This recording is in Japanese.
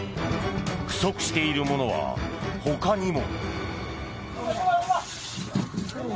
不足しているものは他にも。